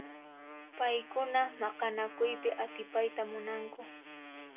Paykuna maqanakuypi atipayta munanku.